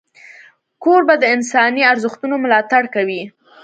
کوربه د انساني ارزښتونو ملاتړ کوي.